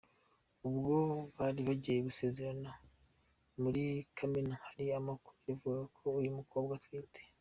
Ubwo bari bagiye gusezerana muri Kamena hari amakuru yavugaga ko uyu mukobwa atwite.